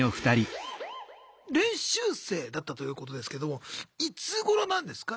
練習生だったということですけどもいつごろなんですか？